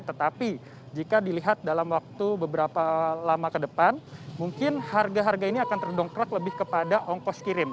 tetapi jika dilihat dalam waktu beberapa lama ke depan mungkin harga harga ini akan terdongkrak lebih kepada ongkos kirim